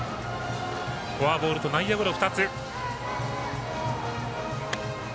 フォアボールと内野ゴロ２つ。